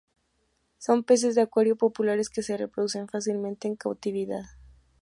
Son peces de acuario populares que se reproducen fácilmente en cautividad.